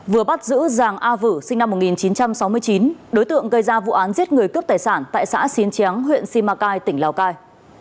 vừa bắt giữ giàng a vữ sinh năm một nghìn chín trăm sáu mươi chín đối tượng gây ra vụ án giết người cướp tài sản tại xã xín chén huyện simacai tỉnh lào cai